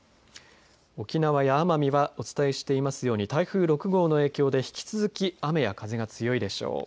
沖縄や奄美はお伝えしていますように台風６号の影響で引き続き雨や風が強いでしょう。